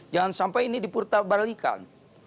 jangan sampai ini dipurtabalikan